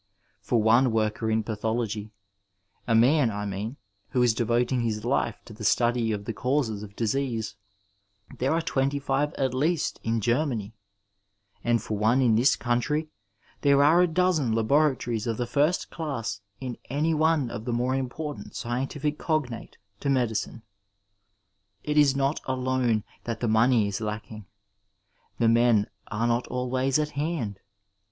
Vcft one woricer in pathology— a man, I mean, who is devoting his life to the study of the causes of disease — there are twenty five at least in Germany, andfor one in this country there are a dosen laboratories of the first class in any one of the more important sciences cognate to medicine. It is not alone that the money is lacking; the men are not always at hand.